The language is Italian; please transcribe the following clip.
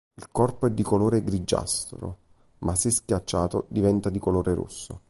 Il corpo è di colore grigiastro, ma se schiacciato diventa di colore rosso.